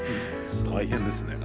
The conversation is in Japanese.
大変ですね。